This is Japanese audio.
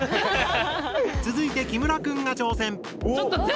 続いて木村くんが挑戦！